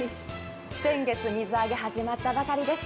先月、水揚げが始まったばかりです。